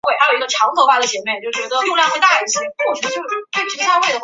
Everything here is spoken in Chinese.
佛蒙特进步党是除美国民主党和美国共和党以外拥有州议席最多的政党。